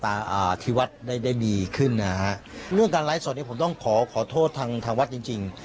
อ่าอ่าที่วัดได้ได้ดีขึ้นนะฮะเรื่องการไลฟ์สดเนี้ยผมต้องขอขอโทษทางทางวัดจริงจริง